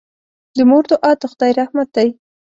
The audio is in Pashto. د مور دعا د خدای رحمت دی.